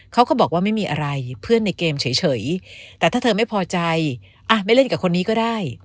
เขาก็บอกว่าไม่มีอะไรเพื่อนในเกมเฉยแต่ถ้าเธอไม่พอใจอ่ะไม่เล่นกับคนนี้ก็ได้